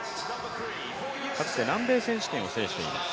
かつて南米選手権を制しています。